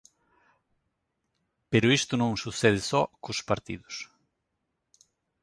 Pero isto non sucede só cos partidos.